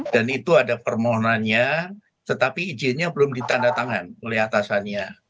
dan itu ada permohonannya tetapi izinnya belum ditanda tangan oleh atasannya